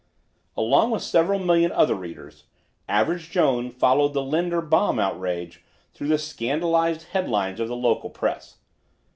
Along with several million other readers, Average Jones followed the Linder "bomb outrage" through the scandalized head lines of the local press.